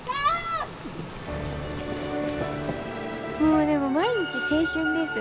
もうでも毎日青春です。